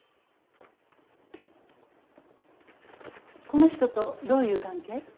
この人とどういう関係？